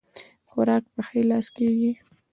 خوراک په ښي لاس کيږي